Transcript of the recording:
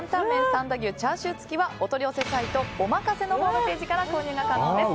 三田牛チャーシュー付きはお取り寄せサイトＯＭＡＫＡＳＥのホームページから購入が可能です。